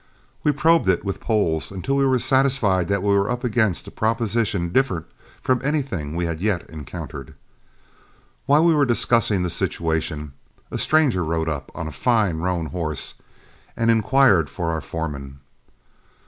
We probed it with poles until we were satisfied that we were up against a proposition different from anything we had yet encountered. While we were discussing the situation, a stranger rode up on a fine roan horse, and inquired for our foreman.